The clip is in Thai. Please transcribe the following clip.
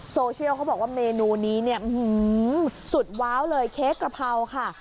โซเชียลเขาบอกว่าเมนูนี้เนี่ยสุดว้าวเลยเค้กกระเพราค่ะ